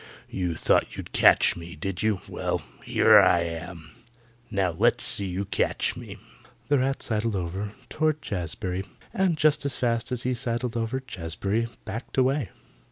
You thought you'd catch me, did you? Well, here I am! Now let's see you catch me." The rat sidled over toward Jazbury, and just as fast as he sidled over Jazbury backed away.